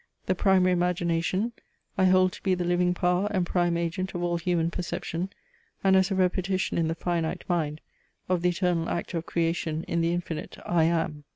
The primary Imagination I hold to be the living power and prime agent of all human perception, and as a repetition in the finite mind of the eternal act of creation in the infinite I AM.